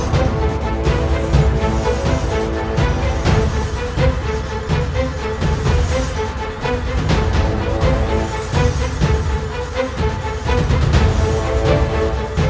jangan lagi membuat onar di sini